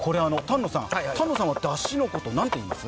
丹野さんはだしのことを何と言います？